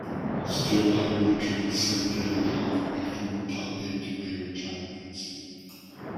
Steel hired attorney Sid Davidoff, a former top aide to Mayor John Lindsay.